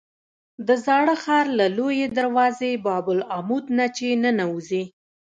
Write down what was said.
د زاړه ښار له لویې دروازې باب العمود نه چې ننوځې.